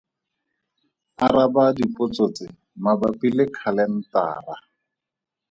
Araba dipotso tse mabapi le khalentara.